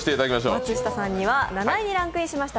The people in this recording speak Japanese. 松下さんには、７位にランクインしました